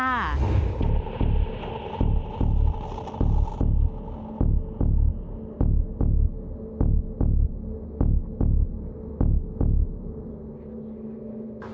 มาเลยค่ะ